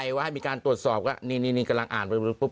บอกว่ามีการตรวจสอบนี่นี้กำลังอ่าน